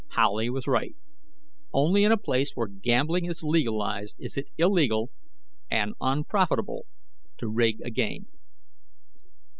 Howley was right. Only in a place where gambling is legalized is it illegal and unprofitable to rig a game.